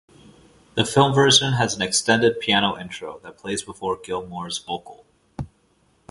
The film version has an extended piano intro that plays before Gilmour's vocal.